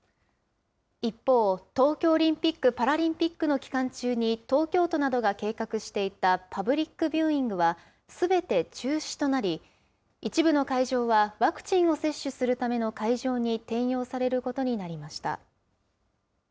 一方、東京オリンピック・パラリンピックの期間中に、東京都などが計画していたパブリックビューイングはすべて中止となり、一部の会場はワクチンを接種するための会場に転用されることになりました。